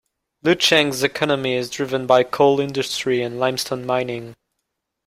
Lucheng's economy is driven by coal industry and limestone mining.